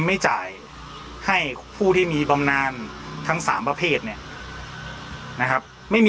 ไม่จ่ายให้ผู้ที่มีบำนานทั้งสามประเภทเนี่ยนะครับไม่มี